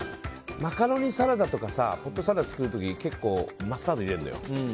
マカロニサラダとかポテトサラダ作る時マスタード入れるのよ。